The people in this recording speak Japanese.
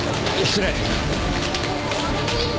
失礼。